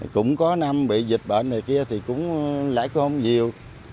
cũng có năm bị dịch bệnh này kia thì cũng lãi con nhiều